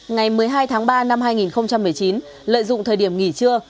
ngày một mươi hai tháng ba năm hai nghìn một mươi chín lợi dụng thời điểm nghỉ trưa